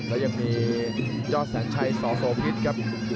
และยังมียอดแสนชัยสโสพิษครับ